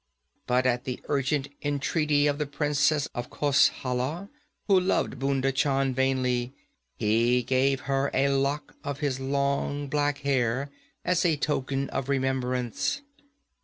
But at the urgent entreaty of the princess of Khosala, who loved Bhunda Chand vainly, he gave her a lock of his long black hair as a token of remembrance.